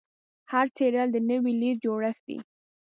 هر څیرل د نوې لید جوړښت دی.